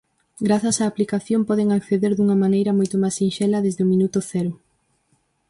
Grazas á aplicación, poden acceder dunha maneira moito máis sinxela desde o minuto cero.